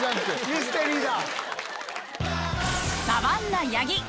ミステリーだ！